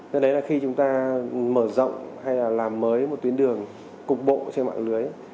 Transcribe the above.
do đấy là khi chúng ta mở rộng hay là làm mới một tuyến đường cục bộ trên mạng lưới